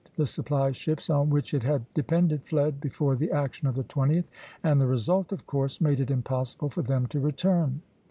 The supply ships on which it had depended fled before the action of the 20th, and the result of course made it impossible for them to return.